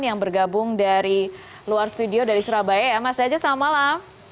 yang bergabung dari luar studio dari surabaya ya mas dajat selamat malam